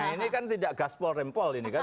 ini kan tidak gaspol rempol ini kan